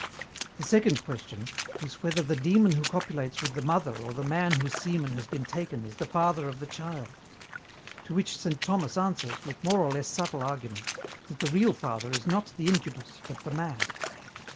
The second question is whether the demon who copulates with the mother or the man whose semen has been taken is the father of the child. To which Saint Thomas answers, with more or less subtle arguments, that the real father is not the incubus but the man."